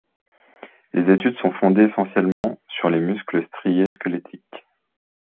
Les études sont fondées essentiellement sur les muscles striés squelettiques.